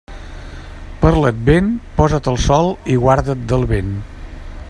Per l'advent, posa't al sol i guarda't del vent.